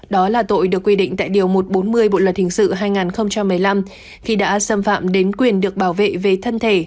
đó là tội được quy định tại điều một trăm bốn mươi bộ luật hình sự hai nghìn một mươi năm khi đã xâm phạm đến quyền được bảo vệ về thân thể